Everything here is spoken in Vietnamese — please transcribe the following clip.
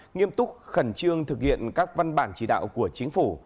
nghiêm túc khẩn trương thực hiện các văn bản chỉ đạo của chính phủ